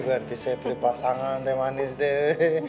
berarti saya beli pasangan teh manis deh